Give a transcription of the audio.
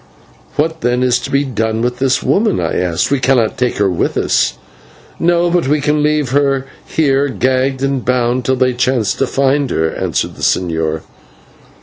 "What, then, is to be done with this woman?" I asked. "We cannot take her with us." "No; but we can leave her here gagged and bound till they chance to find her," answered the señor.